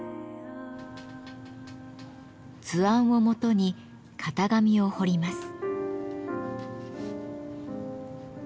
図案をもとに型紙を彫ります。